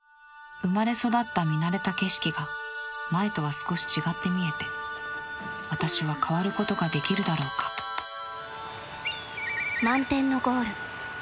生まれ育った見慣れた景色が前とは少し違って見えて私は変わることができるだろうか「満天のゴール」。